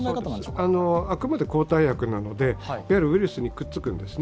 あくまで抗体薬なので、ウイルスにくっつくんですね。